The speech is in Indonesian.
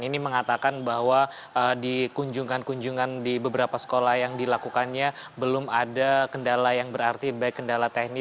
ini mengatakan bahwa di kunjungan kunjungan di beberapa sekolah yang dilakukannya belum ada kendala yang berarti baik kendala teknis